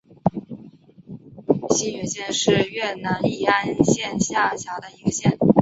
兴元县是越南乂安省下辖的一个县。